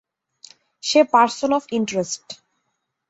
Say person of interest.